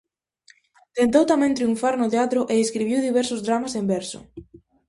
Tentou tamén triunfar no teatro e escribiu diversos dramas en verso.